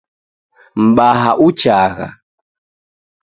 Mbaha uchagha